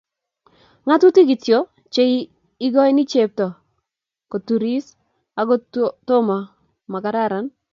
ngatutuk kityo? che ikoene chepto koturis okot to mo makararan?